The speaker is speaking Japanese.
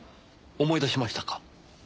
思い出しましたか？